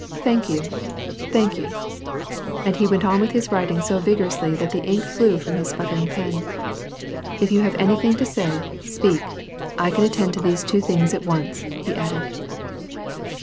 Thank you! thank you !" And he went on with his writing so vigorously that the ink flew from his sputtering pen. " If you have anything to say, speak. I can attend to these two things at once," he added.